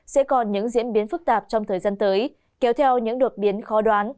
sẽ còn những diễn biến phức tạp trong thời gian tới kéo theo những đột biến khó đoán